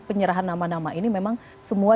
penyerahan nama nama ini memang semua